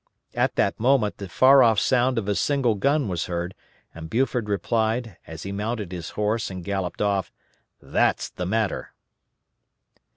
At that moment the far off sound of a single gun was heard, and Buford replied, as he mounted his horse and galloped off, _"That's the matter."